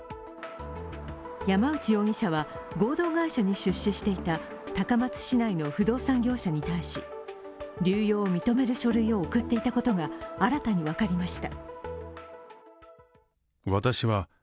山内容疑者は合同会社に出資していた高松市内の不動産会社に対し流用を認める書類を送っていたことが新たに分かりました。